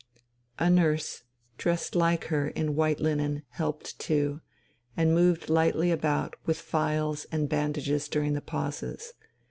A nurse, dressed like her in white linen, helped too, and moved lightly about with phials and bandages during the pauses.